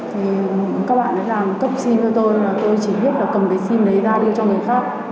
thì các bạn ấy làm cấp sim cho tôi là tôi chỉ biết là cầm cái sim đấy ra đi cho người khác